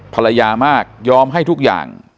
ภรรยามากยอมให้ทุกอย่าง